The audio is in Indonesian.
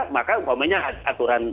maka umpamanya aturan